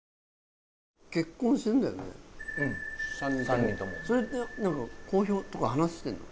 ３人ともそれって公表とか話してんの？